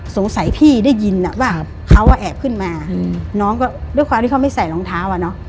สงสัยพี่ได้ยินอ่ะว่าเขาแอบขึ้นมาน้องก็ด้วยความที่เขาไม่ใส่รองเท้าอ่ะเนอะ